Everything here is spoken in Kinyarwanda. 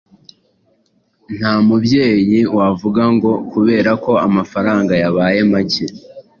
Nta mubyeyi wavuga ngo kubera ko amafaranga yabaye make